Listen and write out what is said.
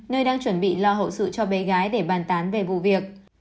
nơi đang chuẩn bị lo hậu sự cho bé gái để bàn tán về vụ việc